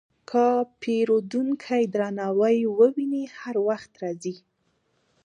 که پیرودونکی درناوی وویني، هر وخت راځي.